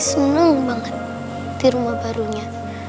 senang banget di rumah barunya